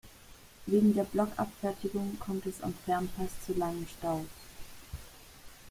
Wegen der Blockabfertigung kommt es am Fernpass zu langen Staus.